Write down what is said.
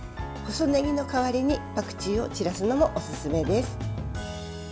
細ねぎの代わりにパクチーを散らすのもおすすめです。